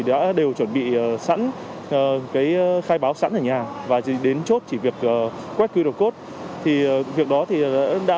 đã đều chuẩn bị sẵn khai báo sẵn ở nhà và đến chốt chỉ việc quét qr code thì việc đó thì đã